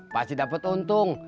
pak haji dapat untung